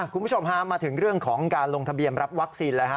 คุณผู้ชมฮะมาถึงเรื่องของการลงทะเบียนรับวัคซีนเลยฮะ